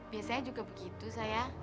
biasanya juga begitu sayang